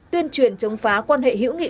tuyên truyền chống phá quan hệ hữu nghị